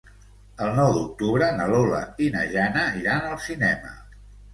El nou d'octubre na Lola i na Jana iran al cinema.